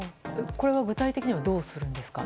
これは具体的にはどうするんですか？